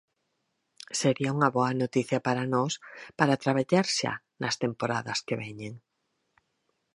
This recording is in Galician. Sería unha boa noticia para nós para traballar xa nas temporadas que veñen.